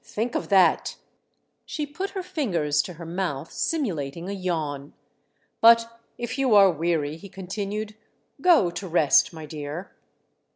Think of that !" She put her fingers to her mouth simulating a yawn. "But if you are weary," he continued, "go to rest, my dear."